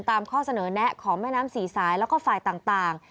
ข้อเสนอแนะของแม่น้ำสี่สายแล้วก็ฝ่ายต่าง